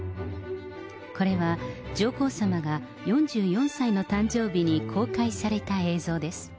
これは、上皇さまが４４歳の誕生日に公開された映像です。